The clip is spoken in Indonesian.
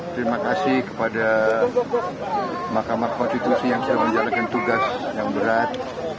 terima kasih kepada mahkamah konstitusi yang sudah menjalankan tugas yang berat